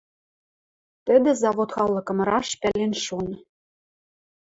Тӹдӹ завод халыкым раш пӓлен шон.